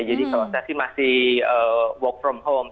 jadi kalau saya sih masih work from home